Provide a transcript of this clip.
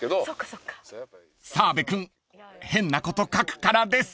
［澤部君変なこと書くからです］